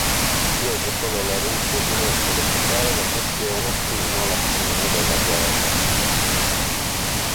Chiese solo alla Russia di non sollecitare la questione fino alla fine della guerra.